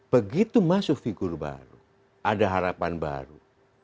begitu masuk figur baru ada harapan baru